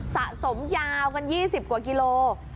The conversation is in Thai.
สะสมยาวกัน๒๐กว่ากิโล